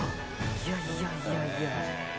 いやいやいやいや。